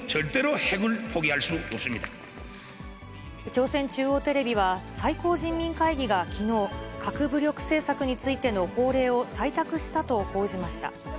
朝鮮中央テレビは、最高人民会議がきのう、核武力政策についての法令を採択したと報じました。